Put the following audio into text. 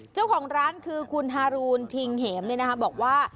เจ้าของร้านคือคุณฮารูนทิงเหมบอกว่า